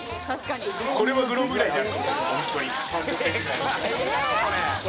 これはグローブぐらいになる。